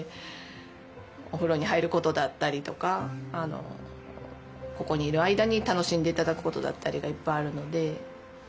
お風呂に入ることだったりとかここにいる間に楽しんで頂くことだったりがいっぱいあるので。